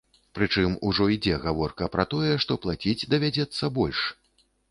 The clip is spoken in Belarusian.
Прычым ужо ідзе гаворка пра тое, што плаціць давядзецца больш.